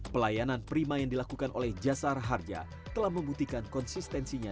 pelayanan prima yang dilakukan oleh jasar harja telah membuktikan konsistensinya